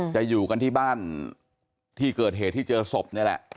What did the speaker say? จะอยู่กันที่บ้านที่เกิดเหตุที่เจอศพนี่แหละ